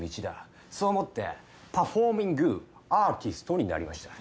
そう思ってパフォーミングアーティストになりました。